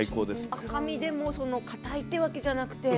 赤身でもかたいというわけじゃないんだ。